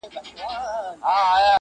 • سپی پر خپل مالک د حد له پاسه ګران ؤ..